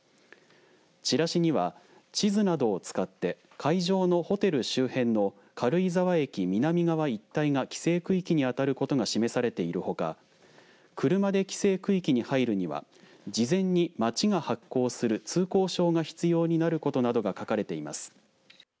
チラシには、地図などを使って会場のホテル周辺の軽井沢駅南側一帯が規制区域に当たることが示されているほか車で規制区域に入るには事前に町が発行する通行証が必要になることなどが書かれています。